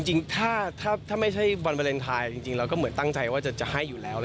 จริงถ้าไม่ใช่วันวาเลนไทยจริงเราก็เหมือนตั้งใจว่าจะให้อยู่แล้ว